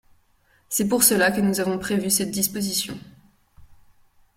C’est pour cela que nous avons prévu cette disposition.